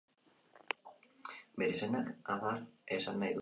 Bere izenak adar esan nahi du.